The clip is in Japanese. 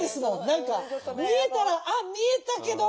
何か見えたら「あ見えたけど